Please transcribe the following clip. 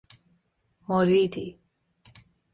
مریدی